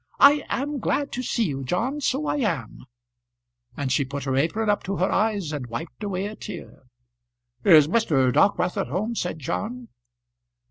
I am glad to see you, John, so I am." And she put her apron up to her eyes and wiped away a tear. "Is Mr. Dockwrath at home?" said John.